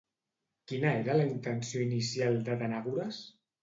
Quina era la intenció inicial d'Atenàgores?